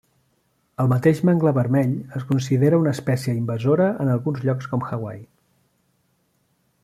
El mateix mangle vermell es considera una espècie invasora en alguns llocs com Hawaii.